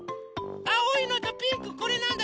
あおいのとピンクこれなんだ？